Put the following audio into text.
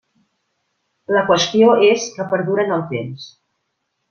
La qüestió és que perdure en el temps.